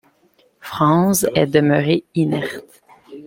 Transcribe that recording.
Franz est demeuré inerte...